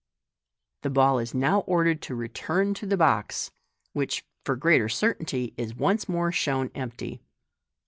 The ball is now ordered to return to the box, which, for greater certainty, is once more shown empty.